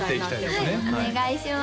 はいお願いします